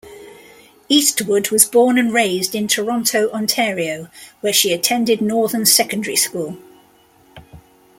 Eastwood was born and raised in Toronto, Ontario, where she attended Northern Secondary School.